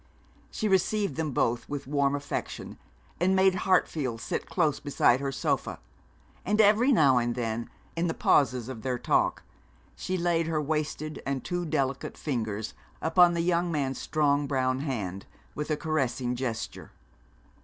She received them both with warm affection, and made Hartfield sit close beside her sofa; and every now and then, in the pauses of their talk, she laid her wasted and too delicate fingers upon the young man's strong brown hand, with a caressing gesture.